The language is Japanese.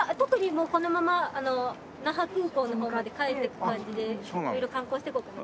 もうこのまま那覇空港の方まで帰っていく感じで色々観光していこうかなと。